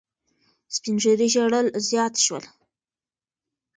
سپین ږیري ژړل زیات شول.